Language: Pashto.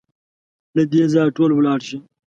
له دې ځايه ټول ولاړ شئ!